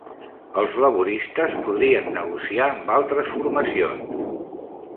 Els laboristes podrien negociar amb altres formacions